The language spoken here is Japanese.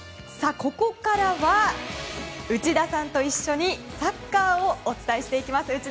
ここからは内田さんと一緒にサッカーをお伝えしていきます。